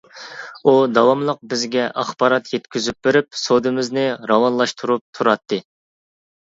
ئۇ داۋاملىق بىزگە ئاخبارات يەتكۈزۈپ بېرىپ سودىمىزنى راۋانلاشتۇرۇپ تۇراتتى.